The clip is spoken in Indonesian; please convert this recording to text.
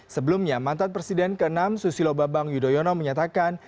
sebelumnya mantan presiden ke enam susilo babang yudhoyono menyatakan